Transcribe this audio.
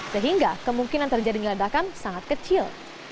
sehingga kemungkinan terjadinya ledakan sangat kecil